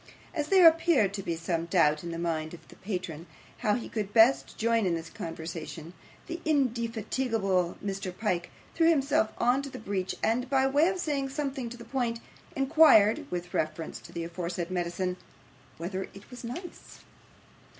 As there appeared to be some doubt in the mind of his patron how he could best join in this conversation, the indefatigable Mr. Pyke threw himself into the breach, and, by way of saying something to the point, inquired with reference to the aforesaid medicine whether it was nice.